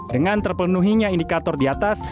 dengan terpenuhinya indikator di atas